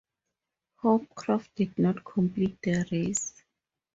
Hopcroft did not complete the race.